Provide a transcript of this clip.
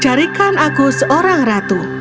carikan aku seorang ratu